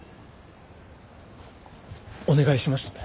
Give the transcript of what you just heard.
お願いします。